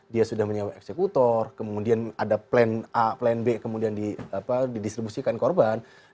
dia sudah menyewa eksekutor kemudian ada plan a plan b kemudian didistribusikan korban